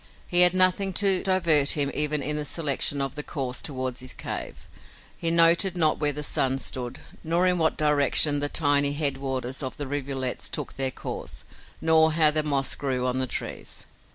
He had nothing to divert him even in the selection of the course toward his cave. He noted not where the sun stood, nor in what direction the tiny head waters of the rivulets took their course, nor how the moss grew on the trees.